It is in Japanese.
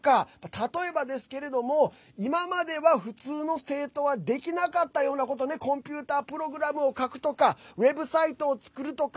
例えばですけど今までは普通の生徒はできなかったようなことコンピュータープログラムを書くとかウェブサイトを作るとか。